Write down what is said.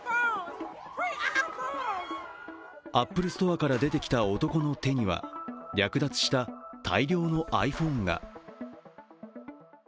アップルストアから出てきた男の手には略奪した大量のｉＰｈｏｎｅが。